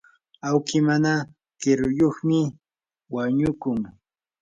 awki mana kiruyuqmi wañukun.